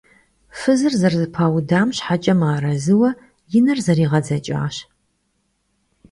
Фызыр зэрызэпаудам щхьэкӀэ мыарэзыуэ и нэр зэригъэдзэкӀащ.